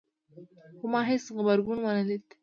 خو ما هیڅ غبرګون ونه لید